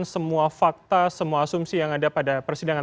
semua fakta semua asumsi yang ada pada persidangan